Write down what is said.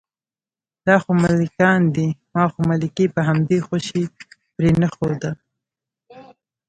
دا خو ملکان دي، ما خو ملکي په همدې خوشې پرېنښوده.